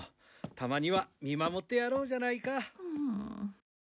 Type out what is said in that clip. たまには見守ってやろうじゃないか。